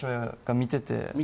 見てて。